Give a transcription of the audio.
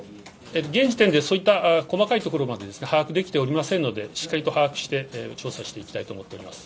現時点で、そういった細かいところまで把握できておりませんので、しっかりと把握して調査していきたいと思っています。